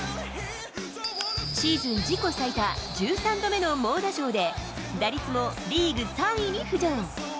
シーズン自己最多１３度目の猛打賞で、打率もリーグ３位に浮上。